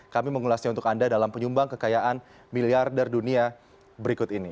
kami mengulasnya untuk anda dalam penyumbang kekayaan miliarder dunia berikut ini